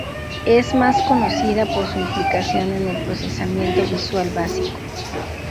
Es más conocida por su implicación en el procesamiento visual básico.